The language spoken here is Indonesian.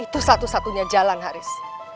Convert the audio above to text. itu satu satunya jalan haris